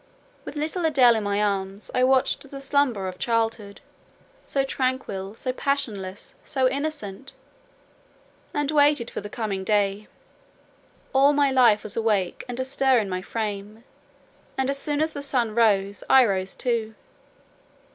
With little Adèle in my arms, I watched the slumber of childhood—so tranquil, so passionless, so innocent—and waited for the coming day: all my life was awake and astir in my frame: and as soon as the sun rose I rose too.